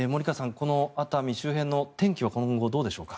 この熱海周辺の天気どうでしょうか。